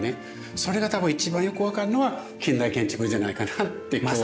それが多分一番よく分かるのは近代建築じゃないかなって思いましたね。